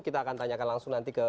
kita akan tanyakan langsung nanti ke